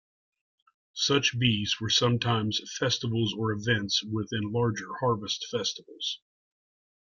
Such bees were sometimes festivals or events within larger harvest festivals.